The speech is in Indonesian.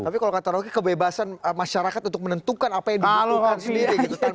tapi kalau kata rocky kebebasan masyarakat untuk menentukan apa yang dibutuhkan sendiri gitu kan